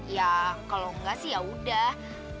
ya kalau enggak sih yaudah